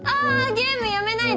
ゲームやめないで！